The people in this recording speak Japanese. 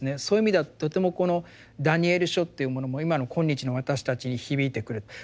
そういう意味ではとてもこの「ダニエル書」っていうものも今の今日の私たちに響いてくる。